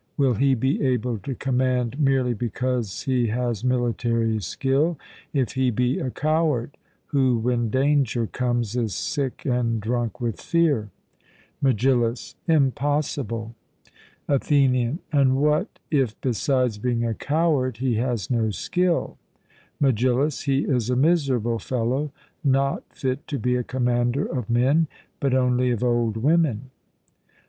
Will he be able to command merely because he has military skill if he be a coward, who, when danger comes, is sick and drunk with fear? MEGILLUS: Impossible. ATHENIAN: And what if besides being a coward he has no skill? MEGILLUS: He is a miserable fellow, not fit to be a commander of men, but only of old women.